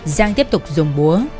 giang tiếp tục dùng búa